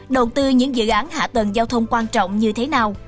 đầu tư những dự án hạ tầng giao thông quan trọng như thế nào